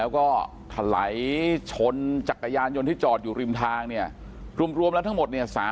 คนที่จอดอยู่ริมทางเนี่ยรวมแล้วทั้งหมดเนี่ย